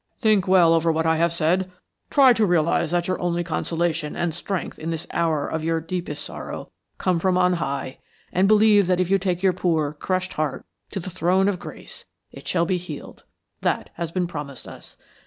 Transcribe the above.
"Think well over what I have said. Try to realize that your only consolation and strength in this hour of your deepest sorrow come from on High, and believe that if you take your poor, crushed heart to the Throne of Grace it shall be healed. That has been promised us.